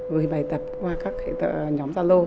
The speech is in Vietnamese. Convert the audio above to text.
gửi bài tập qua các nhóm gia lô